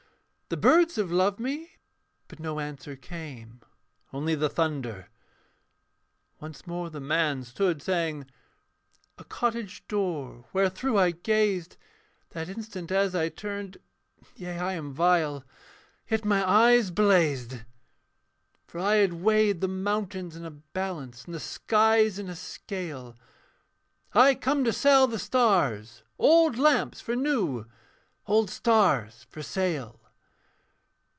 The birds have loved me'; but no answer came Only the thunder. Once more the man stood, saying, 'A cottage door, Wherethrough I gazed That instant as I turned yea, I am vile; Yet my eyes blazed. 'For I had weighed the mountains in a balance, And the skies in a scale, I come to sell the stars old lamps for new Old stars for sale.'